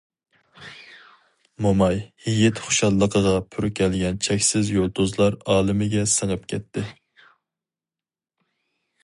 موماي ھېيت خۇشاللىقىغا پۈركەلگەن چەكسىز يۇلتۇزلار ئالىمىگە سىڭىپ كەتتى.